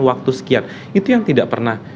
waktu sekian itu yang tidak pernah